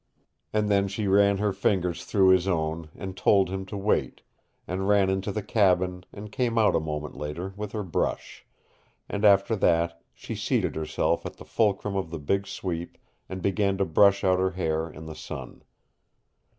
And then she ran her fingers through his own and told him to wait, and ran into the cabin and came out a moment later with her brush; and after that she seated herself at the fulcrum of the big sweep and began to brush out her hair in the sun.